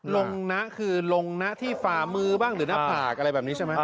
ลงนะคือลงนะที่ฝ่ามือบ้างหรือหน้าผากอะไรแบบนี้ใช่ไหม